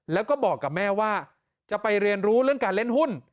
แล้วก็บอกกับแม่ว่าจะไปเรียนรู้เรื่องการเล่นหุ้น